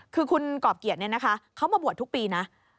คือคุณกรอบเกียรติเขามาบวชทุกปีนะ